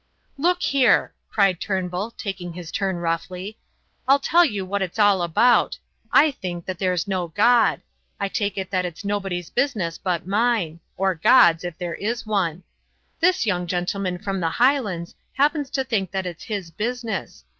"Look here!" cried Turnbull, taking his turn roughly, "I'll tell you what it's all about. I think that there's no God. I take it that it's nobody's business but mine or God's, if there is one. This young gentleman from the Highlands happens to think that it's his business.